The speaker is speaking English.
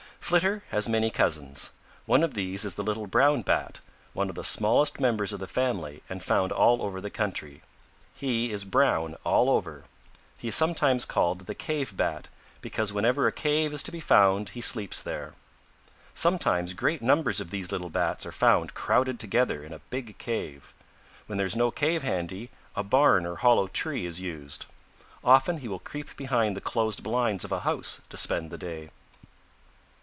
"Flitter has many cousins. One of these is the Little Brown Bat, one of the smallest members of the family and found all over the country. He is brown all over. He is sometimes called the Cave Bat, because whenever a cave is to be found he sleeps there. Sometimes great numbers of these little Bats are found crowded together in a big cave. When there is no cave handy, a barn or hollow tree is used. Often he will creep behind the closed blinds of a house to spend the day.